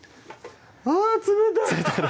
あぁ冷たい！